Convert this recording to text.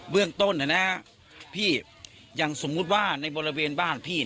เวืองต้นครับพี่